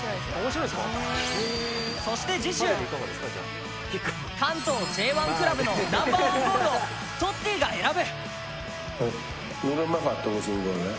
そして次週、関東Ｊ１クラブのナンバーワンゴールをトッティが選ぶ！